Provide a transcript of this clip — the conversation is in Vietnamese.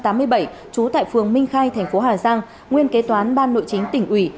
trú tại phường minh khai thành phố hà giang nguyên kế toán ban nội chính tỉnh ủy